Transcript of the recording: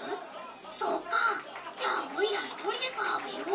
そっかじゃおいら１人で食べよ。